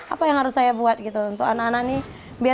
apa yang harus saya buat gitu untuk anak anak ini